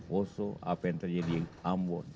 poso apa yang terjadi di ambon